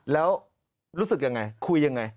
แล้วรู้สึกยังไงคุยยังไง